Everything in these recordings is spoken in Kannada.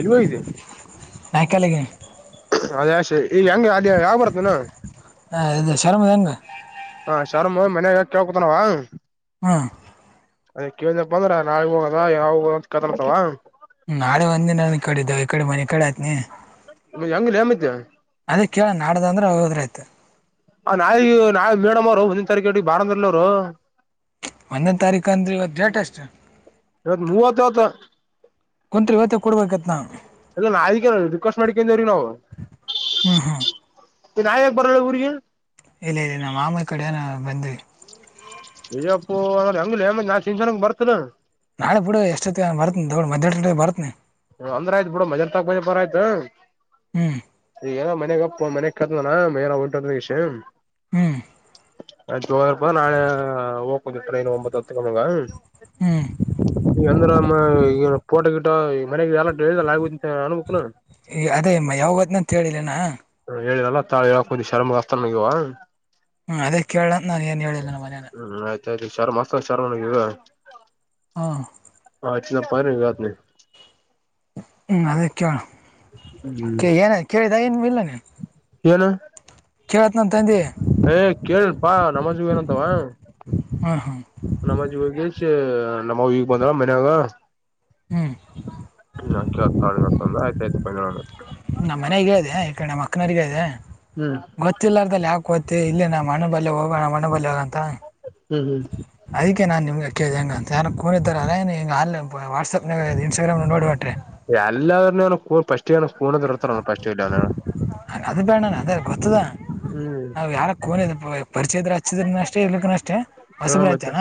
ಎಲ್ಲಿಗದೆ ನಾಯಕಲೆೇ ಅದೇಶೆ ಈಗ ಹೆಂಗ ಅ ಯಾವ ಬರುತ್ತನ [inaudible] ಹ ಇದು ಶರ್ಮದ ಹ ಶಾರಮ ಮನ್ಯ ಕೇಳ್ಕೊತನಾವ ಹ್ಮ ಅದೇ ಕೇಳಪ್ಪ ಬಂದ್ರ ನಾವಗ್ ಹೋಗದ ಯಾವ ಹೋಗದ ಕತರ್ತವ ನಾಳೆ ಒಂದಿನ ನ ಈ ಕಡೆಿದ್ದ ಈ ಕಡೆ ಮನೆ ಕಡೆ ಆಯತನ ಹೆಂಗ ಲೇಮೈತಿ ಅದೇ ಕೇಳ ನಾಡ್ದಂದ್ರೆ ಅವ ಹೋದ್ರ ಆಯ್ತು ನಾವಿ ನಾವ್ ಮೇಡಮ್ ಅವರು ಒಂದಿನ ತಾರೀಕುಿಗೆ ಬಾರಂದರ್ಲ ಅವರು ಒಂದನೇ ತಾರೀಕು ಅಂದ್ರೆ ಇವತ್ತು ಡೇಟ್ ಅಷ್ಟು ಇವತ್ ಮೂವತ್ತಾವತ್ತ ಕುಂತ್ರಿ ಇವತ್ತೇ ಕೊಡ್ಬೇಕತ್ ನಾವು ಅಲ್ಲ ನಾ ರಿಕ್ವೆಸ್ಟ್ ಮಾಡಿಕೊಂಡವ್ರಿ ನಾವು ಹ್ಮ್ ಹ್ಮ್ ನಾಯಕ ಬರೋಲ್ಲ ಊಗ ಇಲ್ಲ ಇಲ್ಲಿ ನಮ್ಮ ಮಾಮ ಕಡೆ ನ ಬಂದ್ವಿ ಇ್ಯಪ್ಪು ಅ ಹಂಗ್ಲಿ ಹೆಮ್ಮ ನಾನ್ ಜನಂಗ ಬರ್ತ ನಾಳೆುಡ ಎಷ್ಟತ್ತ ಬತನ ತಗು ಮ್ಯಾ ಬರ್ತನಿ ಅಂದ್ರ ಆಯ್ತ್ ಬಿಡ ಮಜ ತಕ್ ಮಜಾಪರ ಆಯ್ತು ಹ್ಮ್ ನ ಮನೆ ಮನೆ ಕತ್ತಾನನ ಉಂಟಷ ಹ್ಮ್ ಇಪ ನಾೆ ೋಗಂಜು ಟ್ರೈನ್ ಒಂಬತ್ತು ಅತ್ತುಕಮಂಗ ಹ್ಮ್ ಈಗ ಅಂದ್ರ ಈ ೋಟೋ ಗಿಟ ಈ ಮನೆಗೆ ಎಲ್ಲ ಆಗ ಅನ್ಬೇಕಕ್ ಈ ಅದೇಮ್ಮ ಯಾವಾಗತ್ನಂತ ಹೇಳಿಲ್ಲೇನಾ ಹೇಳರಲ್ಲ ತಾಳಿ ಹೇಳಿ ಶರ್ಮ ಅಸ್ತಾನಗವ ಹ್ಮ ಅದೇ ಕೇಳ ನಾನನ್ ಏನ್ ಹೇಳಿಲ್ಲ ನನ್ನ ಮನನ ್ು ಶರ್ಮ ಅಸ್ತ ಶರ್ಮ ಹಾ ಹಾ ಇತನ ಪಾರ ರತ್ನೆ ಹ್ಮ್ ಅದೇ ಹ್ಮ್ ಕೇಳ ಏನ ಕೇಳಿದ ಏನು ಇಲ್ಲ ನೀನು ಏನು ಕೇಳತ್ನ ತಂದಿ ಏ ಕೆೇಳನ್ ಪಾ ನಮಾಜ್ ಏನಂತಾವ ಹ್ಮ್ ಹ್ಮ್ ನಮಾಜ್ಗೆ ಅ ನಮ್ಮಗ್ ಬಂದ್ರ ಮನ್ಯಾಗತ ಹ್ಮ್ ಒಂದ ಆಯ್ತ ಆಯತು ಕೊನ್ನೊಂದು ನಮ್ಮ ಮನೆಗ ಇದೆ ಈ ಕಮ್ಮ ಅಕ್ಕನರಿಗೆ ಇದೆ ಹ್ಮ್ ಗೊತ್ತಿಲ್ಲಾರ್ದದಲ್ಲಿ ಯಾಕ ಗತ್ತ ಇಲ್ಲ ನ ಮಣ ಬಲ್ ಹೋಗೋಣ ಮಣ ಬಲ್ಯ ಹೋಗಂತ ಹ್ಮ್ ಹ್ಮ್ ಅದಕ್ಕೆ ನಾನ್ ನಿಮ್ಗೆ ಅ್ಯದು ಹೆಂಗೆಂತ ಯಾರು ಕೋಿದ್ದಾರೆಾರೆ ಅ ೇನು ಹಂಗೆ ಆ ವಾಟ್ಸ್ಯಪ್ನಾಗ ಇನ್ಸ್ಟಾಗ್ರಾಮ್ನ ನೋಡಿಬಟ್ರಿ ಎಲ್ಲೇ ಅವ ಕ ಫಸ್ಟ್ ಕೂ ಇಡ್ತಾರ ಫಸ್ಟ್ ಅದು ಬೇ್ಣ ಅದೇ ಗೊತ್ತದ ಹ್ಮ್ ನಾವ್ ಯಾರ ಕೋನಿದ ಪರಿಚಯದ ಹಚ್ಚಿದ್ರ ಅಷ್ಟೇ ಇರ್ಲಿಕ್ಕೂ ಅಷ್ಟೇ ಹ ಹೊಸಬ್ರಯಐತ ಮತ್ತೆ ಅಲ್ಲ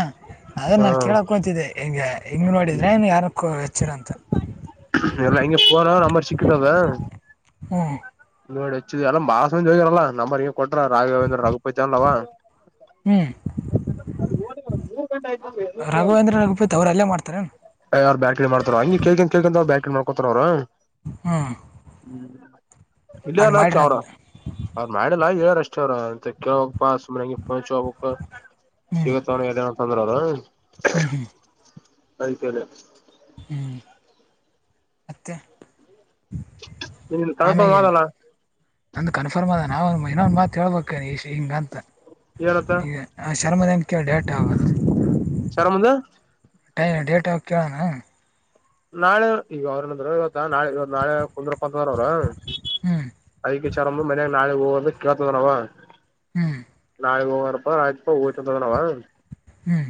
ಅದ್ರ ಹ ನಾನ್ ಕೇಳಕ್ ಹೊಂತಿದ್ದೆ ಹಿಂಗ ಹಿಂಗ್ ನೋಡಿದ್ರೆ ಯಾರಕ್ಕ ಹೆಚ್ಚಿರಂತ ಎಲ್ಲಾ ಹೆಂಗ ಪೋ್ರ ನಂಬರ್ ಸಿಕ್ಕಿತಾ ಅದು ಹ್ಞೂ ಏ ಹಚ್ಚಿವಿ ಎಲ್ಲ ಮಾಸ ಮಾಸ್ ಮಂದಿ ಹೋಗಿರಲ್ಲ ನಮ್ಮರ ಕೊಟ್ರ ರಾಘವೇಂದ್ರ ರಘುಪತಿ ಅನ್ನವ ರಾಘವೇಂದ್ರ ರಘುಪತಿ ಅವ್ರಲ್ಲ ಯಾರ ಬ್ಯಾಟ್ರಿ ಮಾಡ್ತಾರ ಹಂಗಿ ಕೇಳ್ ಕೇಳ್ದಾಂಗ ಬ್ಯಾಟ್ರಿ ಮಾಡಕೋತಾರ ಅವರು ಹ್ಮ ಹ್ಮ ಇಲ್ಲಯನ ಚ ಅವ್ರ ಅವ್ರ ಮಾಡಲ್ಲ ಹೇಳಾರ ಅಷ್ಟಾರ ಅಂತ ಕೇಳ್ ಪಾಸ್ ಮಂ ಪಂಚ್ ಹೋಗಬೇಕ್ ಹ್ಞೂ ಸಿಗತ್ತವ ಎ ಏನಂತಂದ್ರ ಅದೂ ಹ್ಞೂ ಐತೇದ ಹ್ಮ್ ಮತ್ತೆ ನಿನ್ ಕನ್ಫರ್ಮ್ ಆಮೇಗ್ ಏನು ಆದಲ್ಲ ನಂದು ಕನ್ಫರ್ಮ್ ಅದ ನಾವು ಇನ್ನೊಂದ್ ಮಾತ್ ಹೇಳ್ಬೇಕು ಈ ಈಶ್ ಹಿಂಗ ಅಂತ ಹೇಳತ್ತ ಚರ್ಮದಿನಕ್ಕೆ ಡೇಟ್ ಆಗಲ್ಲ್ ರೀ ಶರ್ಮ್ದ ಟೈ ಡೇಟ್ ಆಫ್ ಕೇಳನ ನಾಳೆ ಈಗ ಅವ್ರಂದು ನಾಳೆ ನಾಳೆ ಕುಂದ್ರಪ್ಪತ್ವರ ಅವ್ರ ಹ್ಞೂ ಅ ಚರಮ್ ಮನ್ಯಾಗ ನಾಳಗ್ ಹೊದೆ ಕೇಳ್ತದ ನಾವ ಹ್ಮ್ ರಾ ಹಾರ ಊಟ ಅವ ಹ್ಮ್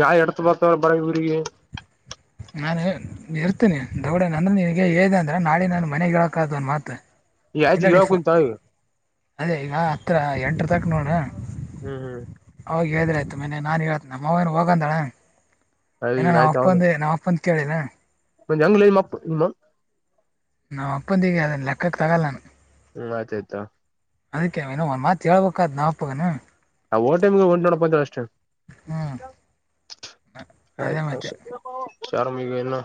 ಜಾಯ್ ಎಡ್ತ್ ಬರ್ತವ ಬರೆ ಊರಿಗೆ ನಾನು ಇರ್ತೇನಿ ದೊಡೆ ನಂದ್ರ ನನ್ಗೆ ಹೇಳ್ದ ಅಂದ್ರ ನಾಳೆ ನಾನ್ ಮನೆಗ ಹೇಳಬೇಕ್ ಒಂದ್ ಮಾತು ಈ ಆಯ್ತಿು ಹಿಂದಡಿ ಇವ ಫೋ ಕುಂತ ಅದೇ ಈಗ ಹತ್ರ ಎಂಟ್ರ ತನಕ ನೋಡ್ರ ಹ್ಮ್ ಹ್ಮ್ ಹೇಳ್ದರೆ ಆಯಿತು ನಮ್ ಅವ್ವ ಏನ್ ಹೋಗು ಅಂದಾಳ ಅಯ ಆಯ್ತ ಅವನು ನಮ್ಮಪ್ಪಂದು ನಮ್ಮಪ್ಪ ಕೇಳಿನ [unintelligible] ನಾ ಅಪ್ಪಂದು ಈಗ ಲೆಕ್ಕಕ್ಕೆ ತಗಾಲ ನಾನು ಹ ಆತೆತ ಅದಕ್ಕೆನ್ ಒಂದ್ ಮಾತ್ ಹೇಳ್ಬೇಕಾದ್ ನಾಮಪ್ಪಗೆನು ಆ ಹೋಟಮಗೆ ಒಂಟು ನೋಡ್ಕ ಹೊತ್ತೀವ್ ಅಷ್ಟೇ ಹ್ಞೂ [unintelligible] ಆ ಏ ಅದೇ ಮತ್ತೆ ಸು ಚಾರ್ ಮಿಗೆನ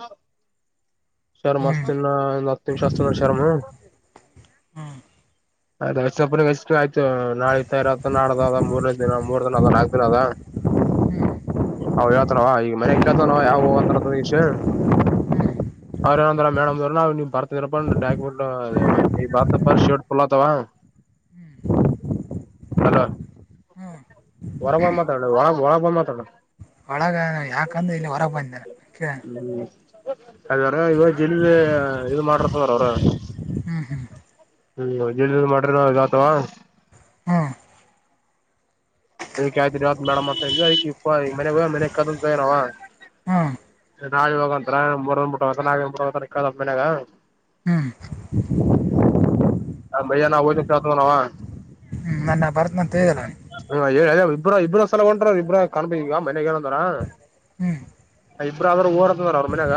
ಶರ್ಮ ಹ್ಞೂ ಅಸ್ತಿನ್ಲ್ ನತ್ತನ್ ಶಸ್ತ್ರಂದ ಶರ್ಮ ಹ್ಞೂ ಅಯ್ಷ್ಟ ಎಷ್ಟು ಆಯ್ತು ನಾಳ ಇ ನಾಡದ ಮೂರನೇ ದಿನ ಮೂರ್ ದಿನ ಅದ ನಾಲ್ಕು ದಿನ ಅಲ್ಲ ಹ್ಮ್ ಹ ಹಳ್ತ ನವಾ ಈಗ ಮನೆ ಕೇಳ್ತ ನವು ಯಾವು ಒಂತರಷೀ ಅವ್ರ ಏನಂದ್ರ ಮೇಡಮ್ ನಾವು ಬರ್ತೀನ್ ಇರಪ್ಪ ಡಾಕುಮೆಂಟ್ ಈ ಬಾರ್ ಪೇಪರ್ ಶರ್ಟ್ ಪೂಲ್ತವ ಹ್ಮ್ ಹಲೋ ಹ್ಮ್ ಹೊರಬ ಮಾತಾಡು ಒರಗ್ ಬಂದ್ ಮಾತಾಡು ಒಳಗ ಯಾಕಂದ್ರೆ ಇಲ್ಲಿ ಹೊರಗೆ ಬಂದೆ ಕೇಳ ಹ್ಮ ಅದವರ ಇವಾಗ ಜಿಲ್ಲೆ ಇದು ಮಾಡರ್ತವರ ಅವ್ರ ಹ್ಮ್ ಹ್ಮ್ ಮಾಡ್ರಿ ನ ಆತವಾ ಹಾ ಅದಕ್ಕೆ ಆ ಮಡ ಮಾತ ಅದಕ್ಕೆ ಇ ಮನೆ ಮನೆ ತಗರ ಹಾ ನಾಳಿ ಹೋಗಂತ್ರ ಮುರಂದ್ ಮುಟ್ಟ ಹಕ್ಕದ ಮನೆಗಾ ಹ್ಮ್. ಹ ಭೈಯ ನದು [unintelligible] ನಾವ. ಹ್ಮ್ ನಾನ್ ಬರತ್ನ ಅಂತ ಹೇಳಲ್ಲವನಿ. ಹ್ಮ ಹೇಳ ಇಬ್ರ ಇಬ್ಬ್ರ ಸಲ ಹೊಂಟ್ರ ಇಬ್ ಕಾಣಬ ಈಗ ಮನ್ಗೆಏನಂದ್ರ. ಹ್ಮ್ ಇಬ್ಬ್ರ ಆದ್ರರು ಓರ್ತ್ತಾರ ಅವ್ರ ಮನ್ಯಾಗ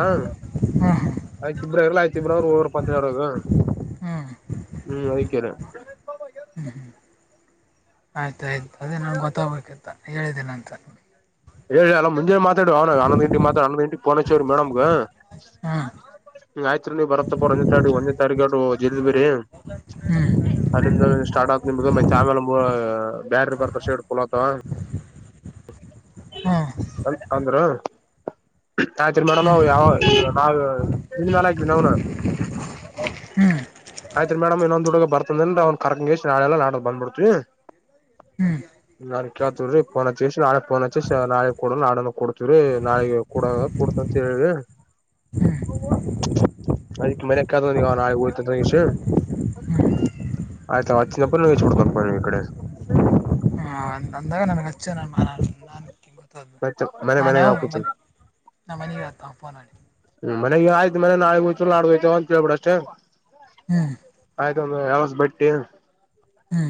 ಹ್ಮ್ ಅ ಇಬ್ರ. ಇತ್ತಂಬ್ರಾವ್ರು ವರು ಪತ್ತಿನಾವ್ರಾಗ. ಹ್ಮ್ ಹ್ಮ್ ಹ್ಮ್ [inaudible] ಕೆರ. ಆಯ್ತಾಯಯ್ತು ಅದೇ ನಂಗೆ ಗೊತ್ತಾಗ್ಬೇಕಿಂತ ಹೇಳಿದ್ದೀನ ಅಂತ. [inaudible] ಎಲ್ಲ ಮ ಮುಂಜೆ ಮಾತಾಡ ಅವ ಅನ್ನಂದ ಗಟಿ ಮಾತಾ ಹ ಅನ್ನಂದ ಗಟಿ ಪೋಚ್ವ ಮೇಡಮ್ ಗ. ಹಾ. ಆಯ್ತ್ರಿ ನೀ ಬರತ್ ಬರ್ ಒಂದೇ ತಾರೀ ಒಂದೇ ತಾರೀರು ಜಲ್ ಬಿರಿ. ಹ್ಮ್ ಅಲ್ಲಿಂದ ಸ್ಟಾರ್ಟ್ ಆಗ್ತತ್ ನಿಮ್ದು ಮತ್ತ ಆಮೇಲೆ ಬ್ಯಾರ ಬರ್ತ ಶೇಡ್ ಫಲ್ ಆತವ. ಹ್ಮ್ ಅ ಅಂದ್ರ. ಆಯ್ತ್ರಿ ಮೇಡಮ್ ಹ್ಮ್ ಹ್ಮ್ ನವು ಯಾವ ನಾವವು ನಿದ ಮೇಲ ಆಗ್ತವಿ ನ್ನು. ಹ್ಮ್. ಆಯ್ತ್ ಮೇಡಮ್ ಇನ್ನೊ್ ಹುಡುಗ ಬರ್ತಂದನ್ ಅವ್ ಕರ್ಕಂಗ ಇಷ್ಟ್ ನಾಳಲ್ಲಾಡದ ಬಂದ್ಬ ಬಿಡ್ತವಿ. ಹ್ಮ್. ನಾನ್ ಕೇಳ್ತವ ರೀ ಪೋನ್ಚ್ ನಾಳೆ ಪೋನ್ಚನಳೆ ಕೊಡ ನಾಡ ಕೊಡ್ತೀವಿರೀ ನಾಳೆಗೆ ಕೊಡ. [unintelligible] ಅಂತಿ ಅದಕ್ ಮನೆ ಕ ನಾಳೆ ಹತ. ಹ. ಹ್ಮ್ ಆಯ್ತಾ ವಚಿನ ಪ ವಚ ಪಡ್ತ ಪ ನೀ ಇ ಕಡೆ. ಅಂದಾಗ ನನಗೆಚ್ಚು. [unintelligible] ಆಯ್ತ ಮನೆ ನಾನು ಮನೆಗೆ ಹಾಕೂತ ಮನೆ ನಮ್ಮ ಮನೆಗೆ ಆತ ಫೋನ್ ಮಾಡಿ. ಮನೆ ಆಯ್ತ ಮನೆ ನಾಡ್ ಹೋಯ್ತ ನಾಡ್ ಹೋಯತವ ಅಂತೇಳ್ಬಿಡ್ ಅಷ್ಟೇ. ಹ್ಮ್. ಆಯ್ತ ಯಾವಸ್ ಬಟ್ಟೆ. ಹ್ಮ.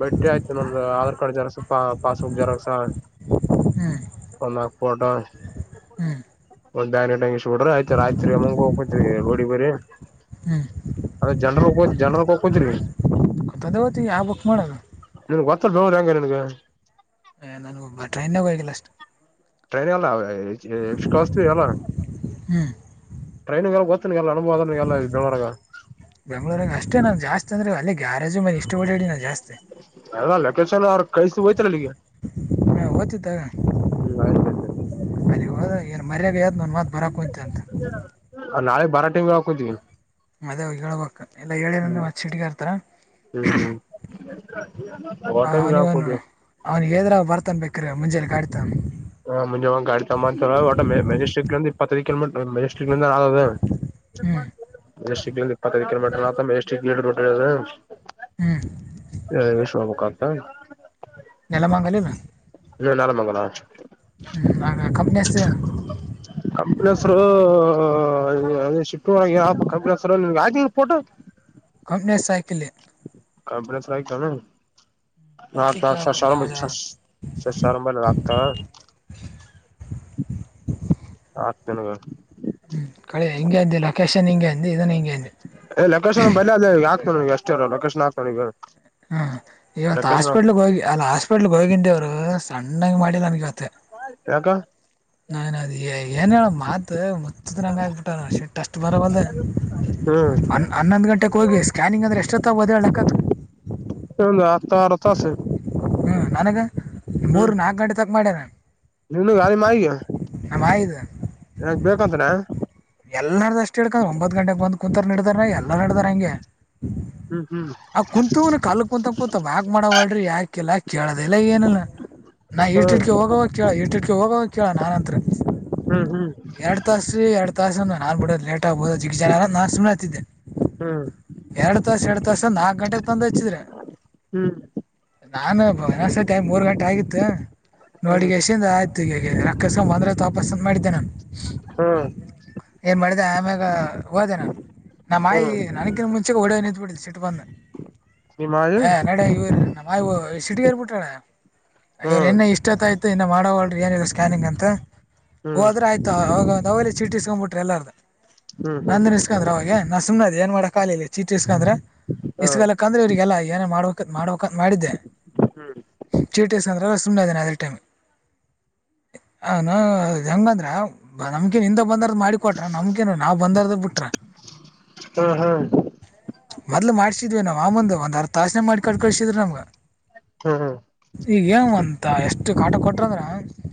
ಬಟ್ಟಿ ಆಯ್ತು ನಮ್ದ ಆಧಾರ್ ಕಾರ್ಡ್ ಜರಕ್ಸ ಪ ಪಾಸ್ಬುಕ್ ಜರಕ್ಸ. ಹ್ಮ್ ಒಂದ್ ನಾಕ್ ಫೋಟೋ. ಹ್ಮ್ [unintelligible] ನೋಡ್ರಿ ಆಯ್ತ ಆಯ್ತ್ರಿ ಮಂಗ ಹೋಗಕತ್ ರೋಡಿ ಬ್ರರಿ. ಹ್ಮ್ ಅದ ಜನ್ರಲ್ ಜನರಲ್ಗೆ ಹೋಗಕ. [inaudible] ಯ ಬುಕ್ ಮಾಡಣ. [unintelligible] ರಂಗ ನಿಂಗ. ಹ ನಾನು ಒಬ್ಬ ಟ್ರೈನ್ಗ ಹೋಗಿಲ್ಲ ಅಷ್ಟು. ಟ್ರೈನ್ ಎಲ್ಲ ಎ ಕಾಸ್ಟ ಟ್ರೈನ್ ಗ. [unintelligible] ಬೆಂಗ್ಳೂರ್ಗ ಅಷ್ಟೇ ನ ಜಾಸ್ತಿ ಅಂದ್ರೆ ಅಲ್ಲಿ ಗ್ಯಾರೇಜು ಮನ. ಅದ ಲೊಕೇಶನ್ ಅವ ಕಸ. [unintelligible] ಹಾ ಓದ್ತಿದ್ದ ಅಲ್ಲಿ ಹೋದಾಗ ಏನ್. ನಾಳೆ ಬಾರಟೈಮವಕತವಿ. [unintelligible] ಮದ್ಗ ಹೇಳ್ಬಕ್ ಎಲ್ಲ ಹೇಳಿಂದ್ರ ಮ ಚಿಟಗಾರ್ತಾರ. ಹ್ಮ್ ಹ್ಮ್. ಹ ಟೈಮ್ಗೆ ಅವನಿವನು ಹಾಕೋದು ಅವ್ನಿಗೆ ಹೇಳದ್ರ ಬರ್ತನ್ ಬ ಬೇಕಿದ್ರೆ ಮುಂಜಾನೆಯಲ್ಲಿ ಗಾಡಿ ತಗೊಂಡು. ಹಾಂ ಗಾಡಿ ತಮ್ಮಾನ ಮಜಿಸ್ಟ್ರಟ್ ಪ ಕಲಮ ಮಟ್. ದು ಹ್ಞೂ ಎಷ್ಟ ಇಪ್ಪತ್ತೈದು ಕಿಲೋಮೀಟರ್ ಆ ಎಷ್ಟ ಬಿಟದು. ಹ್ಞೂ ಹ ವಿಷ್ವಾಬು ಕಾತ. [unintelligible] ನೆಲಮಂಗಲಿಲ್ಲ ಹ್ಮ ನಾಳ ಮಂಗಳ. ಹ್ಞೂ ಆಗ ಕಂಪ್ನೀಸ್ [unintelligible] ಕಂಪನಿ ಹೆಸ್ರು. ಅದಟ್ಟ ಏ ಕ ನಿಮಗೆ ಆಯ್ ಪೋಟ. ಕಂಪನಿ ಹೆಸರು ಹಾಕಿಲ್ಲ. ಅದಕ್ಕೆ ಕೇಳ್ಕೊಂಡು ಯಾವ್ದು ಯಾವ್ದು [unintelligible] [unintelligible] ಆತ [unintelligible] [unintelligible] ಆಗ್ತನಗ ಹ್ಮ್ ಕಳ ಹಿಂಗಗೆ ಅ ಲೊಕೇಶನ್ ಹಿಂಗೆ ಅಂದ ಇದನ್ ಹಿಂಗಗೆ ಅ [unintelligible] ಎಷ್ಟ ಎರಲ್ಲ ಲೊಕೇಶನ್ ಹಾತ ಈಗ [unintelligible] ಹ್ಮ ಇವತ್ ಹಾಸ್ಪಿಟ್ಲ್ಗ್ ಹೋಗಿ ಅಲ್ಲ ಹಾಸ್ಪಿಟ್ಲ್ಗ್ ಹೋಗಿದೇವ್ರು ಸಣ್ಣಾಗಿ ಮಾಡಿಲ್ಲ ನನ್ಗೆವತ್ತ [unintelligible] ಯಾಕ ನಾನ್ ಅದ ಏನ್ ಹೇಳ ಮಾತ್ ಮಚ್ಚತ್ರಂಗ ಆಗ್ಬಿಟ್ಟ ಶಟ್ಟ ಅಷ್ಟು ಬರವಲ್ ಹ್ಮ್ ಹನ್ ಹನ್ನೊಂದು ಗಂಟೆಗೆ ಹೋಗಿ ಸ್ಕ್ಯಾನಿಂಗ್ ಅಂದರೆ ಎಷ್ಟೊತ್ತ ಬದ ಹೇಳಕ್ಕಕ ಆತ ಆರ ತಾಸ ಹ ನನಗೆ ಮೂರು ನಾಲ್ಕು ಗಂಟೆ ತಕ್ ಮಾಡ್ಯರ ನಿನು ಗಾಡಿ [inaudible] ಮಾಡಗ ಆಯಿದು ಯಾಗ್ ಬೇಕಂದ್ರ ಎಲ್ಲ ನಡ್ದ ಅಷ್ಟ್ ಹಡ್ಕ್ ಒಂಬತ್ ಗಂಟೆಗೆ ಬಂದ್ ಕುೂಂತಾರ ನಡ್ದಾರ ಎಲ್ಲಾ ನಡ್ದಾರ ಹಂಗೆ ಹ್ಮ್ ಹ್ಮ್ ಆ ಕುಂತುನ ಕಲ್ ಕುಂತ ಕುೂತ ಯಾಕ್ ಮಾಡವಳ್ರಿ ಯಾಕಲ್ಲ [unintelligible] ಕೇಳೋದೆಲ್ಲ ಏನಿಲ್ಲ ನಾ ಈಟಿಕೆ ಹೋಗವಾಗ ಕೇಳ ಇಟಿಟ್ಕೆ ಹೋಗೋವಾಗ ಕೇಳ ನಾನುಂತತ್ರ ಹ್ಮ್ ಹ್ಮ್ ಎರಡ್ ತಾಸ ನಾನ್ ಬಿಡೋ ಲೇಟ್ ಆಗ್ಬಹುದು ಜಿಗ್ ಜನ ನಾನೆ ಹತ್ತಿದ್ದೆ ಹ್ಮ ಎರಡ್ ತಾಸ ಎರಡು ತಾಸ ನಾಕ್ ಗಂಟೆಗೆ ತಂದು ಹಚ್ಚಿದ್ರೆ ಹ್ಮ್ ನಾನು ಬರೋಸ್ತೆ ಮೂರ್ ಗಂಟೆ ಆಗಿತ್ತು ಹ್ಮ್ ಹ್ಮ್ ಹ್ಮ್ ನೋಡಿಗೆ ಎದ ಆಯ್ತು ಈ ರಕ್ಕಿಸಕೊಂಡ ಬಂದ್ರೆ ತಾಪಸ್ಸ ಅ ಮಾಡಿದ್ದೆ ನಾನು ಏನ್ ಮಾಡಿದೆ ಆಮ್ಯಾಗ ಹೋದೆ ನಾನ [unintelligible] ನ ಮಾಯಿ ನನ ಮುಂಚೆ ಹೊಡೆ ನಿಂತು ಬಿಡು ಸಿಟ್ ಬಂದು ನಿಮ್ಮ ಆಯಿ ಹ ನಡ ಇವ ನಮ್ಮ [unintelligible] ಸಿಟಗರ್ ಬಿಟ್ರಳ ಇವ್ರ ಹ್ಮ್ ಇನ್ ಇಷ್ಟತ್ತ ಆಯತ ಇನ್ನ ಮಾಡವಲ್ರಿ ಏನ ಇ ಸ್ಕ್ಯಾನಿಂಗ್ ಅಂತ ಹ್ಮ್ ಹೋದ್ರೆ ಆಯ್ತಾ ಅವೇ ಚೀಟಿ ಎಸ್ಕೊಂಡ್ಬಿಟ್ರು ಎಲ್ಲಾರ್ದ ಹ್ಮ್ ಹ್ಮ್ ನಂದ ಇಸ್ಕಂದ್ರ ಅವಾಗ ನಾ ಸುನೆ ಅದ ಏನ್ ಮಾಡಕಗಿಲ ಇಲ್ಲಿ ಚೀಟಿ ಇಂದ್ರೆ ಹ್ಮ್ ಇಷ್ಟಗಾಲಕಂದ್ರೆ ಇವ್ರರಿಗೆಲ್ಲ ಏನೇ ಮಾಡ್ಬೇಕ ಮಾಡ್ಬೇಕ ಮಾಡಿದ್ದೆ ಚೀಟಿಸಂದ್ರ [unintelligible] ತುಂಡದಾನ ಅದೇ ಟೈಮ್ ಅದು ಹೆಂಗಂದ್ರೆ ನಮ್ಕೇನ್ದ ಬಂದಾರ್ದ ಮಾಡಿಕ ಕೊಟ್ರ ನಮ್ಕೇನು ನಾವ್ ಬಂದಾರ್ದ ಬಿಟ್ರ ಹ್ಮ್ ಹ್ಮ್ ಮೊದ್ಲು ಮಾಡ್ಸಿದ್ವಿ ನಾವ್ ಆ ಮುಂದ ಒಂದ್ ಆರ್ದ ತಾಸನೆ ಮಾಡಿ ಕಟ್ ಕಳ್ಸಿದ್ರು ನಮ್ಗೆ ಹ್ಮ್ ಹ್ಮ ಈಗ ಏನು ಅಂತ ಎಷ್ಟು ಕಾಟ ಕೊಟ್ರಂದ್ರ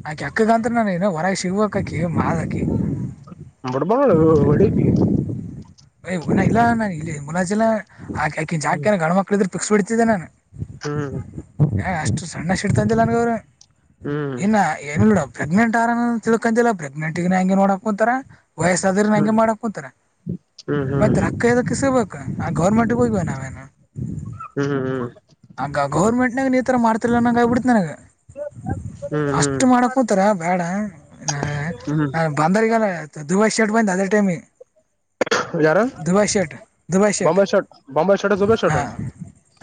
ಆಕೆ ಅಕ್ಕಗಂತ್ರ ನ ಹೊರ ಇಷ್ಟ ಶಿವಕಕ್ಕೆ ಮಾದಕಿ ಬಡಬ ಒಡಕಿ [unintelligible] ಯ್ ಊನ ಇಲ್ಲ ನಾನ ಇಲ್ಲಿ ಮುಲಾಜಲ್ಲಾಕಿಂಕೆ ಹ್ಮ್ ಗಂಡು ಮಕ್ಳ ಇದ್ರರುಫಿಕ್ಸ್ ಬಿಡ್ತಿದ್ದೆ ನಾನು ಹ್ಮ್ ಅಷ್ಟು ಸಣ್ಣ ಸಿಟ್ ಇಡ್ತಂತಿಲ್ಲ ನನ್ಗ ಅವ್ರಿ ಹ್ಮ್ ಹ್ಮ್ ಇನ್ನ ಏನಲ್ ಪ್ರೆಗ್ನೆಂಟ್ ಆರ ತಿ [unintelligible] [unintelligible] ತಿಲ್ಲ ಪ್ರೆಗ್ನೆಂಟಗ ನ ಹಂಗೆ ನೋಡಕೊಂತಾರ ವಯಸ್ಸಾದ್ರ ಹಂಗೆ ಹ್ಮ್ ಮಾಡಕೊಂತಾರ ಹ್ಮ್ ಮತ್ತ ರಕ್ಕದ ಕಿಸಬೇಕ ಆ ಗೌರ್ಮೆಂಟಿಗೆ ಹೋಗ್ವ ನಾವೇನು ಹ್ಮ್ ಹ್ಮ್ ಆಗ ಗೌರ್ಮೆಂಟ್ನಾಗ ನೀ ತರ ಮಾಡ್ತಿಲ್ಲ ನಂಗ ಆಗ್ಬಿಡ್ತ್ ನನಗೆ ಹ್ಮ್ ಹ್ಮ್ ಅಷ್ಟು ಮಾಡಕೊಂತರ ಬೇಡ ನಾ ಹ್ಮ್ ನಾನು ಬಂದರೆ ಈಗಲ್ಲ ದುಬೈ ಶರ್ಟ್ ಬಂದ ಅದೇ ಟೈಮಿಗೆ ಯಾರ Dubai shut Dubai shut Bombay shirt Bombay shirt ಜುಬೆ ಶರ್ಟ್ ಹಾ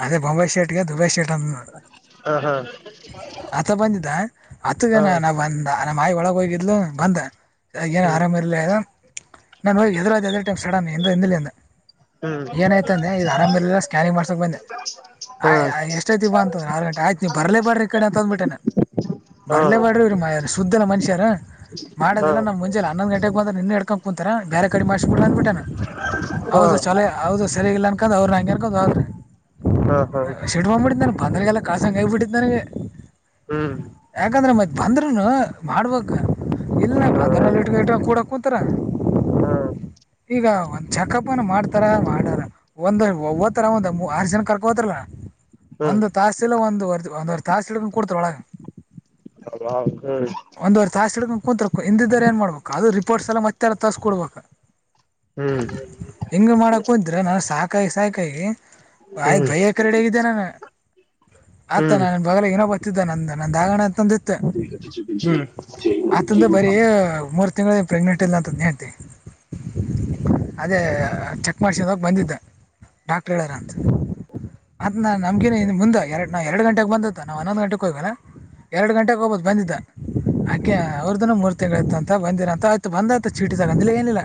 ಅದೇ ಬೊಂಬೈ ಶ್ಟೇಟ್ಗೆ ದುಬೈ ಶ್ಟೇಟ್ ಅ [unintelligible] ಹಾ ಹಾ ಆತ ಬಂದಿದ್ದ ಹಾ ಅತಗನ ನಾ ಬಂದ ನ [unintelligible] ಮಾಯಿ ಒಳಗ ಹೋಗಿರ್ಲು ಬಂದಏನ ಹ್ಮ್ ಆರಾಮ ಇರ್ಲಿಲ್ಲ ನಾನ ಹ ಹೆದ್ರ್ [unintelligible] ಸಡನ್ದ ಹ್ಮ್ ಏನಾಯ್ತು ಅಂದೆ ಇ ಆರಾಮ ಸ್ಕ್ಯಾನಿಂಗ್ ಮಾಡ್ಸಕ್ ಬಂದೆ [unintelligible] ಹಾ ಹಾ ಆಯ್ ಎಷ್ಟ ಬಾ ಅಂದ್ರ ಆರು ಗಂಟೆ ಆಯ್ತು ನೀವು ಬರ್ಲೇ ಬ್ರ ಕಡೆ ಅಂತಂದ್ಬಿಟ್ಟೆ ನಾನನ್ ಹಾ ಬರ್ಲೇಬಾರ್ರಿವ ಹಾ ರೀ ಮಾ ಸುದ್ದನ ಮನುಷ್ಯಾರ ಮಾಡೋದಿಲ್ಲ ನಮ್ಮ ಮುಂಜೆಲೆ ಹನ್ನೊಂದು ಗಂಟೆಗೆ ಬಂದೆ ನಿನ್ನೆ ಹಿಡ್ಕೊಂಡ ಕು ಬೇರೆ ಕಡೆ ಮಾಡ್ಸಬಿಡ್ ಅಂದ್ ಬಿಟ್ಯ ನಾನ್ ಹೌದು ಚಲ ಹಾ ಹೌದು ಸರಿ ಇಲ್ಲ ಅ ಹಾ [unintelligible] ಸಂಗೈ ಆಗ್ಬಿಟ್ಟಿತ್ತ ನನಗ. ಹ್ಮ್ ಯಾಕಂದ್ರೆ ಮತ್ತ ಬಂದ್ರೂನು ಮಾಡ್ಬೇಕ. ಇಲ್ಲ ಹಾ ಪದ್ರಲ್ಲಿ ಇಟ್ ಇ ಕೂಡ ಕೂತರ ಹಾ ಈಗ ಒಂದ ಚೆಕಪನ ಮಾಡ್ತಾರ ಮಾಡಾರ ಒಂದ, ಒವ್ತಾರ ಒಂದ್ ಆರು ಜನ ಕರ್ಕೋತಾರಲ. ಹ್ಮ್ ಒಂದು ತಾಸ ಇಲ್ಲ ಒಂದು ಒಂದವರಿ ತಾಸಇಡ್ಕೊಂಡ್ ಕೊಡ್ತರ ಒಳ್ಗ. [unintelligible] ಒಂದ್ವರ್ ತಾಸ ಹಿಡ್ಕೊಂಡ್ ಕುಂತರ್ಕು ಹಿಂದದೋರು ಹೆಂಗ್ ಮಾಡ್ಬೇಕ ಅದು ರಿಪೋರ್ಟ್ಸ್ ಎಲ್ಲ ಮತ್ತೆಲ್ಲ ತಾಸಸ್ಕ ಕೊಡ್ಬೇಕು. ಹ್ಮ್ ಹ್ಮ್ ಹ್ಮ್ ಹ್ಮ್ ಹೆಂಗ ಮಾಡಕ್ ಕುಂತೀರ ನಾ ಸಾಕಾಗಿ ಸಾಕಾಗಿ. ಆಯ್ತು ಬಯಕ್ಕೆ ರೆಡಿ ಆಗಿದ್ದೆ ನಾನ ಆತಾ ಹ್ಮ್ ನಾನ ಬಲಗ ಇನ್ನೊಬತ್ತ ಇದ್ದ ನಂದು ನಂದ ಆಗಣ, ತಂದಿ ಆ ತಂದ ಬರಿ ಮೂರ್. ತಿಂಗಳ ಪ್ರೆಗ್ನೆಂಟ್ ಇಲ್ಲ ಅಂತದೇ ಹೇಳ್, ನೆ ಅದೇ ಚೆಕ್ ಮಾಡ್ಸಿನಾಗ ಬಂದಿದ್ದಡಾಕ್ಟ್ರ್ ಹೇಳಾರ ಅಂತ. [inaudible] ಅತ್ ನಾ ನಮ್ಗೇ ಮುಂದ ಎರ ನಾ ಎರಡು ಗಂಟೆಗೆ ಬಂದತ್ತ ನಾವು ಒನ್ನೊಂದು ಗಂಟೆಗೆ ಹೋಗ್ಗಿವಿ ಅಲ್ಲ. ಎರಡು ಗಂಟೆಗೆ ಒಬ್ಬತ ಬಂದಿದ್ದ. ಅಕೆ ಅವ್ರದ್ದನ ಮೂರ್ ತಿಂಗಳ ಇತ್ತ ಅಂತ ಬಂದಿಲ್ಲ ಅಂತ ಆಯ್ತು ಬಂದಾಯ್ತು ಚೀಟಿ ತೇಗಂದಿಲ್ಲ ಏನಿಲ್ಲ.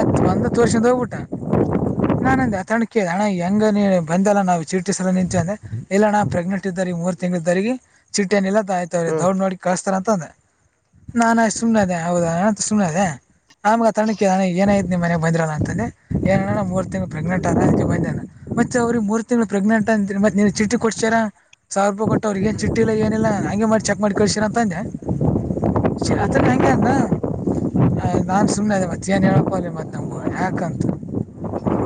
ಆತ್ ಒಂದ ತೋಸರ್ದ ಹೋಗ್ಬಿಟಾ. [inaudible] ನಾನಂದ ಅತಣ ಕೇಳ ಹಣ್ಣ ಹೆಂಗ ನೀ ಬಂದಲ್ಲಾ ನಾವು ಚೀಟಿ ಸಲಾಗಿ ನಿಂತಿದಿವಿ ಎಲ್ಲಾ ನಾ ಪ್ರೆಗ್ನೆಂಟ್, ಚಿಟ್ಟಿ ಇದ್ದೋರಿಗಿ ಮೂರ್ ತಿಂಗಳ ಇದ್ದೋರಿಗಿ ಚಿಟ್ಟಿ ಏನ್ ಇಲ್ಲ ಆಯ್ತ ಹ್ಮ್ ದೌಡ್ ನೋಡಿ ಕಳಸ್ತಾರ ಅಂತಂದೆ. ನಾನಾ ಆಯಿತ್ ಸುಮ್ನೆ ಆದೆ ಹೌದಾ ಅಂತ ಸುಮ್ನೆ ಆದೆ. ಆಮ್ಗ ಅ ತಣ ಕೇಳ ಏನಾಯ್ತಿ ನಿಮ ಮನೆಗ್ ಬಂದಿರಲ್ಲ ಅಂತಾನ ಏನಣ ಮೂರ್ ತಿಂಗಳ ಪ್ರೆಗ್ನೆಂಟ್ ಮತ್ತೆ ಅವ್ರಿಗೆ ಮೂರ್ತಿ ಪ್ರೆಗ್ನೆಂಟ್ ಅಂತ್ರಿ ಮತ್ತ ನೀ ಚಿಟಿ ಕೊಡ್ಸರ್ ಸಾವಿರ ರೂಪಾಯಿ ಕೊಟ್ಟ ಅವ್ರಿಗೆ ಹ್ಮ್ ಚಿಟ್ಟಿದಗ ಏನಿಲ್ಲ ಹಂಗೆ ಮಾಡಿ ಚಕ್ ಮಾಡಿ ಹ್ಮ್ ಶರತ್ನು ಅಂಗೇ ಅಂದ್ ನಾನ್ ಸುಮ್ನೆ ಮ ಏನ್ ಹೇಳಪ ಮತ್ತ ನಮ ಯಾಕಂತ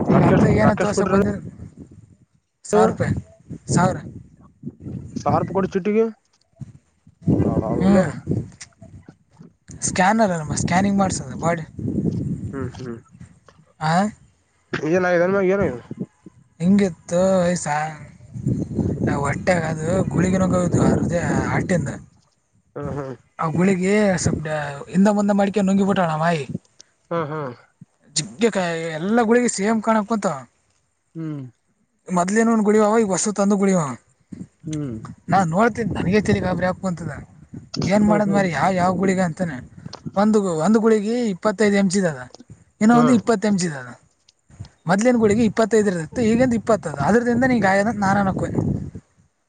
ನೀ ರಾಕೇಶ್ ಅತ್ತಿಗಿ ಏನ ರಾಕೇಶ್ ತೋರ್ಸಕ್ ಕೊಡ್ರಿ ಬಂದಿದ್ರ. ಸಾವು ರೂಪಾಯಿ ಸಾವರ್ರ್. ಸಾವ್ರ ರೂಪಾಯಿ ಕೊಡ್ತಿ ಚಿಟ್ಟಿಗಿ. ಹ್ಞೂ [unintelligible] ಸ್ಕ್ಯಾನರ್ ಅಲ ಸ್ಕ್ಯಾನಿಂಗ್ ಮಾಡ್ಸೋದು ಬಾಡಿ. ಹ್ಮ್ ಹ್ಮ್ ಆ, [unintelligible] ಹೇಗಿತ್ತು ವಯಸಾ, ಹೊಟ್ಟೆ ಅದು ಗುಳಿಗಿ ನುಂಗಾವ ಇದ್ವು ಆ ಆಟಿಂದ ಹ್ಮ್ ಹ್ಮ್ ಆ ಗುಳಿಗೆ ಸ್ವಪ ಹಿಂದ ಮುಂದ ಮಾಡಕೇಂದ್ ನುಂಗಿಬಿಟಳ ನಮ್ಮಾಯಿ. ಹ್ಮ್. ಅ ಎಲ್ಲಾ ಗುಳಿಗೆ ಸೇಮ್ ಕಾಣಕುತ್ತಾವ್. ಹ್ಮ್. ಮೊದ್ಲಿನವು ಗುಳಿಗಿ ಅವ್ ಈಗ ಹೊಸವು ತಂದುವು ಗುಳಿಗಿ ಅವ್ ಹ್ಮ್ ನಾನ್ ನೋಡ್ತಿದ್ದ ನನ್ಗ ತೇಲಿ ಗಾಬ್ರಯಾಯಿತು. ಕುಂತದ ಏನ್ ಹ್ಮ್ ಹ್ಮ್ ಮಾಡದ್ ಹ್ಮ್ ಮಾರಾಯ ಯಾವ ಯಾವ ಗುಳಿಗಿ ಅಂತೀನಿ ಒಂದು ಒಂದು ಗುಳಿಗಿ. ಇಪ್ಪತ್ತೈದು ಎಂಜಿದ ಆದ್ ಇನೊಂದು ಹ್ಮ್ ಇಪ್ಪತ್ತು ಎಂಜಿದ ಆದ ಮೊದಲಿನ ಗುಳಿಗಿ ಇಪ್ಪತ್ತ, [unintelligible]